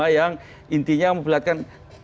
yang intinya memperlihatkan